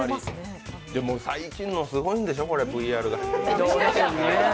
でも最近のすごいんでしょ、ＶＲが。